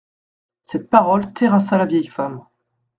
Cette parole terrassa la vieille femme.